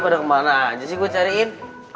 lo udah kemana aja sih gue cariin